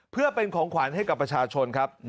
เพื่อเป็นของขวัญให้กับประชาชนครับ